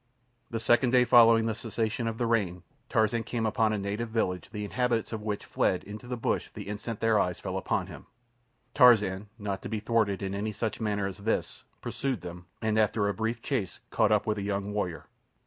The second day following the cessation of the rain Tarzan came upon a native village the inhabitants of which fled into the bush the instant their eyes fell upon him. Tarzan, not to be thwarted in any such manner as this, pursued them, and after a brief chase caught up with a young warrior.